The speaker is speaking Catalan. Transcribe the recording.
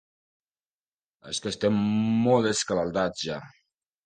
És que estem molt escaldats, ja.